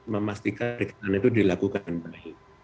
memastikan itu dilakukan baik